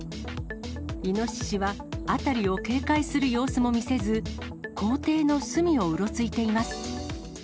イノシシは辺りを警戒する様子も見せず、校庭の隅をうろついています。